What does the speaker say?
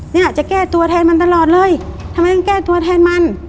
เนี่ยจะแก้ตัวแทนมันตลอดเลยทำไมต้องแก้ตัวแทนมัน